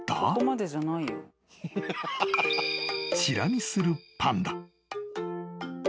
［ちら見するパンダ］